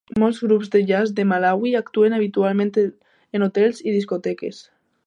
Molts grups de jazz de Malawi actuen habitualment en hotels i discoteques.